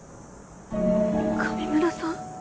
上村さん。